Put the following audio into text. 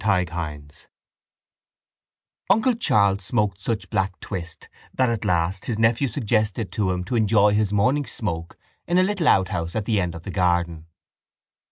Chapter II Uncle Charles smoked such black twist that at last his nephew suggested to him to enjoy his morning smoke in a little outhouse at the end of the garden.